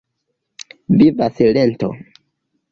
Viva silento.